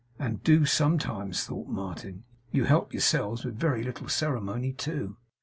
'And do, sometimes,' thought Martin. 'You help yourselves with very little ceremony, too!